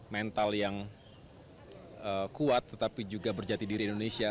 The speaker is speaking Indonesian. mental yang kuat tetapi juga berjati diri indonesia